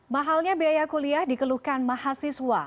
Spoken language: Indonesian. mahalnya biaya kuliah dikeluhkan mahasiswa